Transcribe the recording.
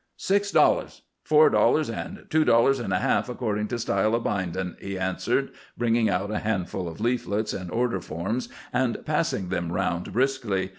"Six dollars, four dollars, an' two dollars an' a half, accordin' to style of bindin'," he answered, bringing out a handful of leaflets and order forms and passing them round briskly.